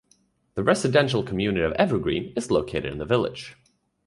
The residential community of Evergreen is located in the village.